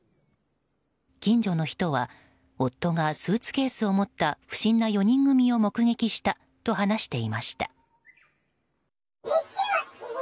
近所の人は夫がスーツケースを持った不審な４人組を目撃したと話していました。